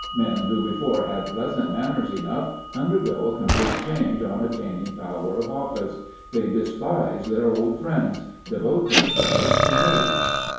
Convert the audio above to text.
Men who before had pleasant manners enough undergo a complete change on attaining power of office. They despise their old friends: devote themselves to new.